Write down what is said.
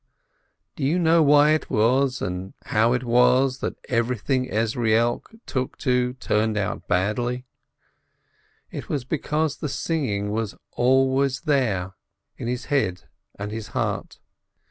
And do you know why it was and how it was that everything Ezrielk took to turned out badly? It was because the singing was always there, in his head and his heart.